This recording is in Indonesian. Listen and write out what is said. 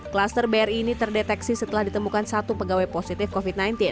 kluster bri ini terdeteksi setelah ditemukan satu pegawai positif covid sembilan belas